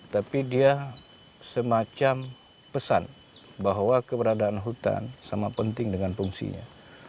tapi dia semacam pesan bahwa keberadaan hutan sama penting dengan fungsinya